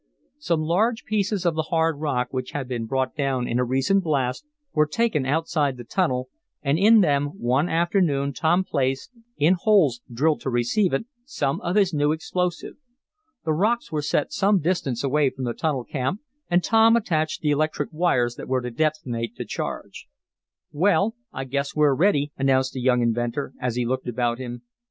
Some large pieces of the hard rock, which had been brought down in a recent blast, were taken outside the tunnel, and in them one afternoon Tom placed, in holes drilled to receive it, some of his new explosive. The rocks were set some distance away from the tunnel camp, and Tom attached the electric wires that were to detonate the charge. "Well, I guess we're ready," announced the young inventor, as he looked about him.